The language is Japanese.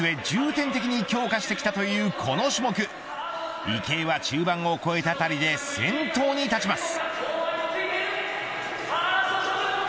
重点的に強化してきたというこの種目池江は中盤を越えたあたりで先頭に立ちます。